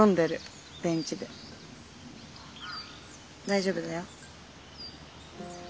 大丈夫だよ。